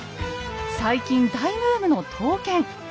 最近大ブームの「刀剣」。